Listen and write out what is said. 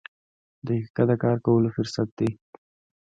• دقیقه د کار کولو فرصت دی.